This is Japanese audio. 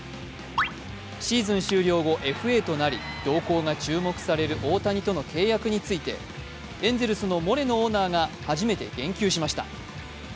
シーズン終了後ＦＡとなり動向が注目される大谷についてエンゼルスのモレノオーナーが初めて言及しました。